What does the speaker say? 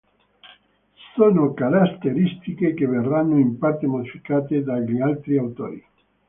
Sono caratteristiche che verranno in parte modificate dagli altri autori.